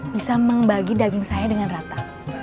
bisa membagi daging saya dengan rata